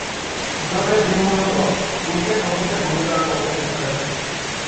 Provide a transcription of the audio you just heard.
দলে তিনি মূলতঃ উইকেট-রক্ষকের ভূমিকায় অবতীর্ণ হয়েছেন।